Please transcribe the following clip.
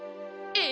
え！